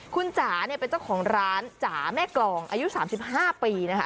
คุณจ๋าเป็นเจ้าของร้านจ๋าแม่กรองอายุ๓๕ปี